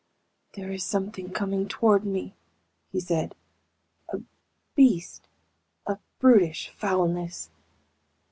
"There is something coming toward me," he said. "A beast of brutish foulness!